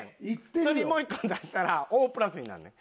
それにもう１個足したら大プラスになんねん。